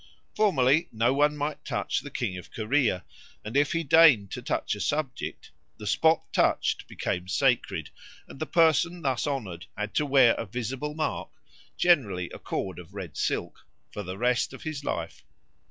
Formerly no one might touch the king of Corea; and if he deigned to touch a subject, the spot touched became sacred, and the person thus honoured had to wear a visible mark (generally a cord of red silk) for the rest of his life.